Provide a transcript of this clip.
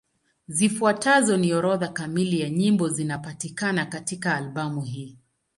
Zifuatazo ni orodha kamili ya nyimbo zinapatikana katika albamu hii.